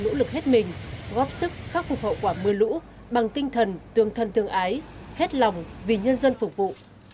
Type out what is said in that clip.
nỗ lực hết mình góp sức khắc phục hậu quả mưa lũ bằng tinh thần tương thân tương ái hết lòng vì nhân dân phục vụ